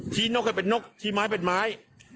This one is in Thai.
นกให้เป็นนกชี้ไม้เป็นไม้